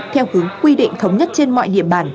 theo hướng quy định thống nhất trên mọi địa bàn